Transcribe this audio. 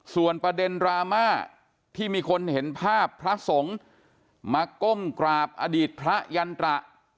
ส่วนประเด็นดราม่าที่มีคนเห็นภาพพระสงฆ์มาก้มกราบอดีตพระยันตระ